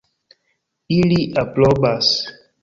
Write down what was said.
Ili aprobas.